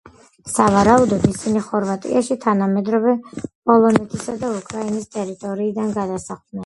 სავარაუდოდ ისინი ხორვატიაში თანამედროვე პოლონეთისა და უკრაინის ტერიტორიიდან გადასახლდნენ.